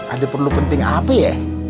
ada perlu penting api ya